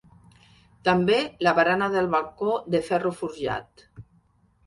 També la barana del balcó de ferro forjat.